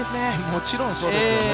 もちろんそうですね